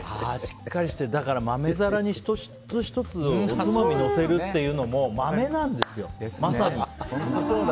だから豆皿に１つ１つおつまみのせるっていうのもまめなんですよ、まさに。